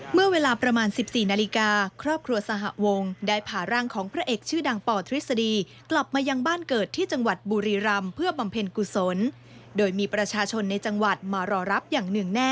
เมื่อเวลาประมาณ๑๔นาฬิกาครอบครัวสหวงได้ผ่าร่างของพระเอกชื่อดังปทฤษฎีกลับมายังบ้านเกิดที่จังหวัดบุรีรำเพื่อบำเพ็ญกุศลโดยมีประชาชนในจังหวัดมารอรับอย่างหนึ่งแน่